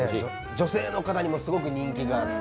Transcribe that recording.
女性の方にもすごく人気があって。